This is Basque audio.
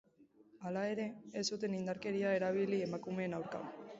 Hala ere, ez zuten indarkeria erabili emakumeen aurka.